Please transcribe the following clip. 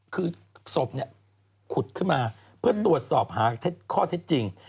คือศพขุดขึ้นมาเพื่อตรวจสอบหาข้อเท็จจริง